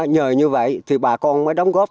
nhờ như vậy bà con mới đóng góp